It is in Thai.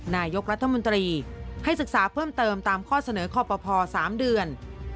นายกรัฐมนตรีให้ศึกษาเพิ่มเติมตามข้อเสนอคอปภ๓เดือน